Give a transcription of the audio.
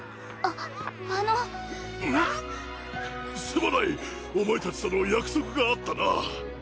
すまないお前たちとの約束があったな。